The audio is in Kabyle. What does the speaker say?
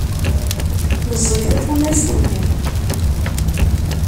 Neẓẓeg tafunast-nni.